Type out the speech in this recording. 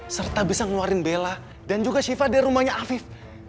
serta bisa ngeluarin bella dan juga shiva dari rumahnya afif